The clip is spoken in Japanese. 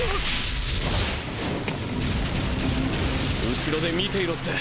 「後ろで見ていろ」って。